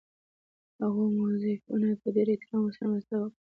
هغو موظفینو په ډېر احترام ورسره مرسته وکړه.